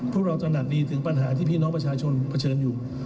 พวกเราตระหนักดีถึงปัญหาที่พี่น้องประชาชนเผชิญอยู่